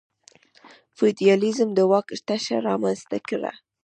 فیوډالېزم د واک تشه رامنځته کړه.